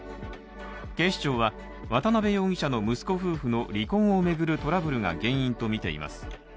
警視庁は、渡辺容疑者の息子夫婦の離婚を巡るトラブルが原因とみています。